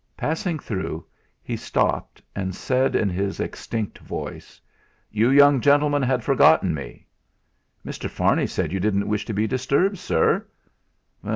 Passing through, he stopped and said in his extinct voice: "You young gentlemen had forgotten me." "Mr. Farney said you didn't wish to be disturbed, sir."